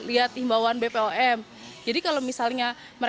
ini buat campuran ya